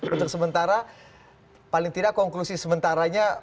untuk sementara paling tidak konklusi sementaranya